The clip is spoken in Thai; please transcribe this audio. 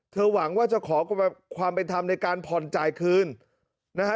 หวังว่าจะขอความเป็นธรรมในการผ่อนจ่ายคืนนะฮะ